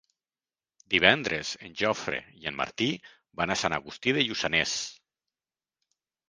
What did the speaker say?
Divendres en Jofre i en Martí van a Sant Agustí de Lluçanès.